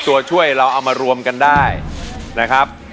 ตัวช่วยเราเอามารวมกันได้นะครับ